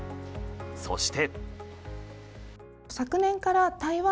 そして。